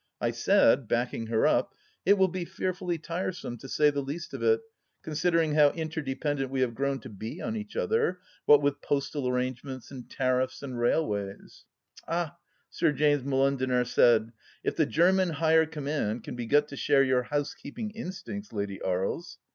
I said, backing her up :" It will be fearfully tiresome, to say the least of it, con sidering how interdependent we have grown to be on each other — what with postal arrangements and tariffs and rail ways "" Ah !" Sir James Molendinar said. " If the German higher command can be got to share your house keeping instincts. Lady Aries."